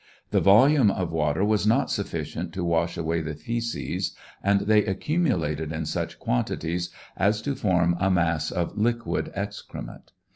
The volume of water was not sufficient to wash away the feces, and they accumulated in such quantities as to form a mass of liquid excrement.